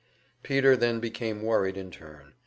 Peter then became worried in turn.